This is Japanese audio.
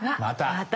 また！